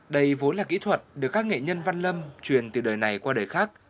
đây vốn là kỹ thuật được các nghệ nhân văn lâm truyền từ đời này qua đời khác